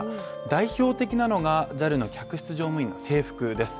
代表的なのが、ＪＡＬの客室乗務員の制服です。